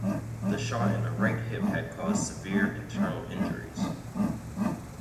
The shot in the right hip had caused severe internal injuries.